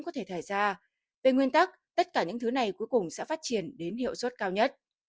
có thể thải ra về nguyên tắc tất cả những thứ này cuối cùng sẽ phát triển đến hiệu suất cao nhất